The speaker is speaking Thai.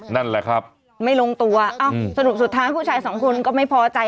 นั่นแหละครับไม่ลงตัวเอ้าสรุปสุดท้ายผู้ชายสองคนก็ไม่พอใจ